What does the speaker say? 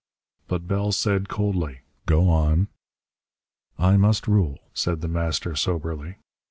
But Bell said coldly: "Go on." "I must rule," said The Master soberly.